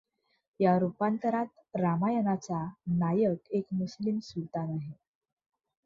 या रूपांतरात रामायणाचा नायक एक मुस्लिम सुल्तान आहे.